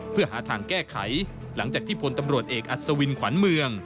เพื่อหาทางแก้ไขหลังจากที่พลตำรวจเอกอัศวินขวัญเมือง